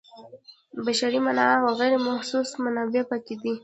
بشري منابع او غیر محسوس منابع پکې دي.